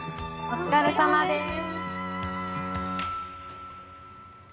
お疲れさまです。